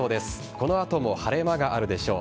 この後も晴れ間があるでしょう。